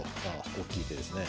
大きい手ですね。